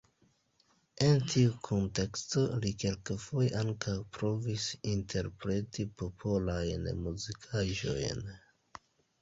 En tiu kunteksto li kelkfoje ankaŭ provis interpreti popolajn muzikaĵojn.